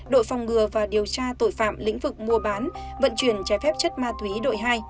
đội phòng ngừa và điều tra tội phạm lĩnh vực mua bán vận chuyển trái phép chất ma túy đội hai